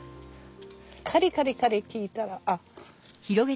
カリカリカリ聞いたら。